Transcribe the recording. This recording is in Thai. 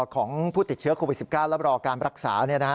ของผู้ติดเชื้อโควิด๑๙และรอการรักษา